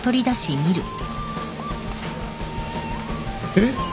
えっ！？